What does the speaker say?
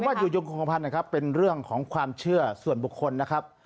ว่าอยู่ยงของพันธ์นะครับเป็นเรื่องของความเชื่อส่วนบุคคลนะครับ